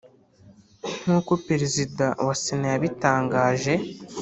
nk’uko Perezida wa Sena yabitangaje